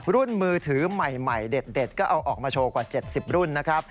มือถือใหม่เด็ดก็เอาออกมาโชว์กว่า๗๐รุ่นนะครับ